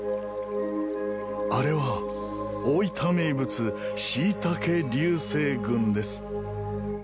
あれは、大分名物、しいたけ流星群です。